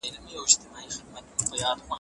په کور کي د درس لپاره لري ځای ته نه کتل کېږي.